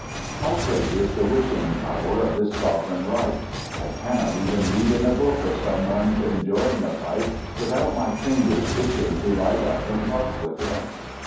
How great is the witching power of this sovereign rite! I cannot even read in a book of someone enjoying a pipe without my fingers itching to light up and puff with him.